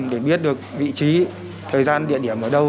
để biết được vị trí thời gian địa điểm ở đâu